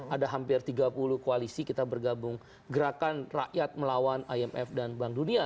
ada hampir tiga puluh koalisi kita bergabung gerakan rakyat melawan imf dan bank dunia